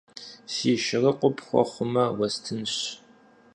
Си шырыкъур пхуэхъумэ, уэстынщ.